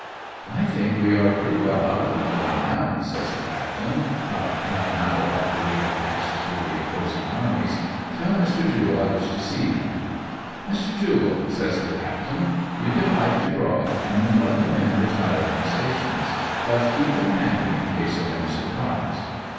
" I think we are pretty well out of the melde, now," says the captain, about half an hour after we have passed through the opposing armies ;" tell Mr. Jule I wish to see him." " Mr. Jule," says the captain, " you can pipe to grog, and then let the men retire from stations, but keep them handy in case of any surprise."